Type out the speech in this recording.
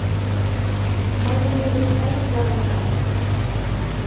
— Мый имне деч сай ӱзгарым нальым.